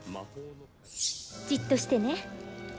「じっとしてね」